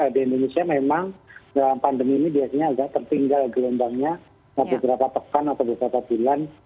di indonesia memang dalam pandemi ini biasanya agak tertinggal gelombangnya beberapa pekan atau beberapa bulan